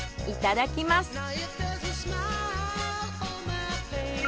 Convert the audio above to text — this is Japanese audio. いただきます。